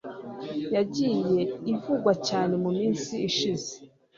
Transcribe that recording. yagiye ivugwa cyane muminsi ishize